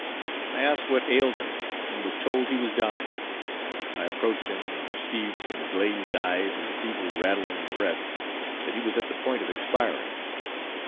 I asked what ailed him, and was told he was dying. I approached him, and perceived, from the glazed eyes and the feeble rattling breath, that he was at the point of expiring.